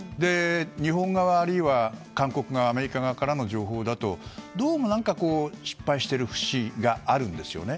日本側、あるいは韓国側アメリカ側からの情報だとどうも失敗している節があるんですよね。